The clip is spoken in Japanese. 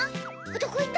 どこいった？